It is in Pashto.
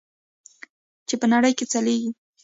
چې په نړۍ کې ځلیږي.